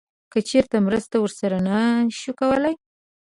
که چیرته مرسته ورسره نه شو کولی